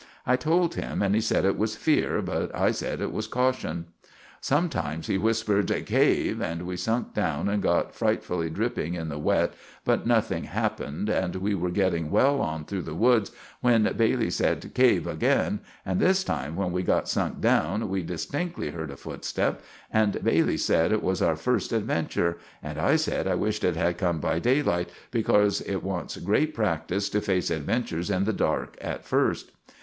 I told him, and he sed it was fear, but I sed it was kaution. Sometimes he whispered, "Cave!" and we sunk down and got fritefully dripping in the wet, but nothing happened, and we were getting well on through the wood when Bailey sed, "Cave!" again, and this time, when we had sunk down, we distinkly herd a footstep, and Bailey sed it was our first adventure, and I sed I wished it had come by daylight, becorse it wants grate practise to face adventures in the dark at first.